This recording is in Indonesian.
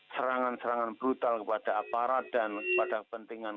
serangan serangan brutal kepada aparat dan kepada kepentingan